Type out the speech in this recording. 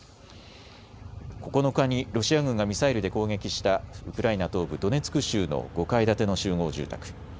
９日にロシア軍がミサイルで攻撃したウクライナ東部ドネツク州の５階建ての集合住宅。